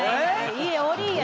家おりいや